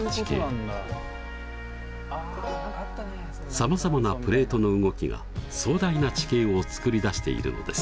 さまざまなプレートの動きが壮大な地形をつくり出しているのです。